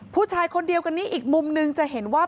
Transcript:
ผู้ชายคนเดียวกันนี้อีกมุมนึงจะเห็นว่า